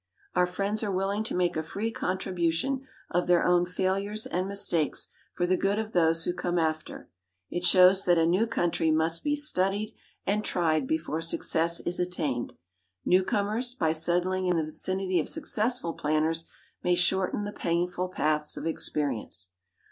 Our friends are willing to make a free contribution of their own failures and mistakes for the good of those who come after. It shows that a new country must be studied and tried before success is attained. New comers, by settling in the vicinity of successful planters, may shorten the painful paths of experience.